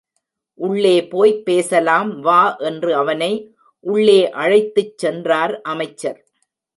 உள்ளே போய்ப் பேசலாம் வா என்று அவனை உள்ளே அழைத்துச் சென்றார் அமைச்சர்.